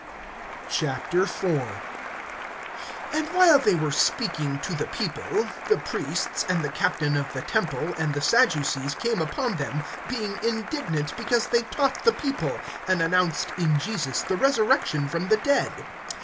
IV. AND while they were speaking to the people, the priests, and the captain of the temple, and the Sadducees, came upon them, (2)being indignant because they taught the people, and announced in Jesus the resurrection from the dead.